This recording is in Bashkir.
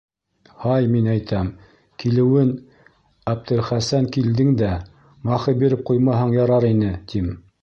Һай, мин әйтәм, килеүен, Әптелхәсән, килдең дә, махы биреп ҡуймаһаң ярар ине, тим.